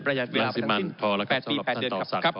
ประหยัดเวลาไปทั้งสิ้น๘ปี๘เดือนครับ